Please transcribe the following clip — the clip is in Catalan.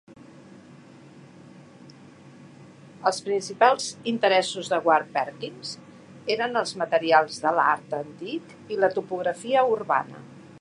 Els principals interessos de Ward-Perkins eren els materials de l'art antic i la topografia urbana.